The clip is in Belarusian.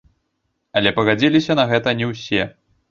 Але пагадзіліся на гэта не ўсе.